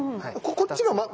こっちが前？